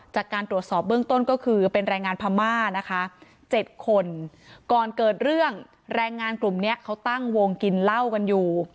จากการตรวจสอบเบื้องต้นก็คือเป็นแรงงานพม่านะคะ๗คนก่อนเกิดเรื่องแรงงานกลุ่มเนี้ยเขาตั้งวงกินเหล้ากันอยู่